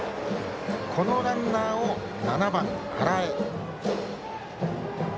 このランナーを７番、荒江。